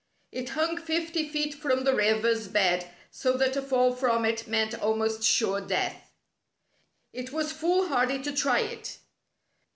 It hung fifty feet from the river's bed so that a fall from it meant almost sure death. It was foolhardy to try it.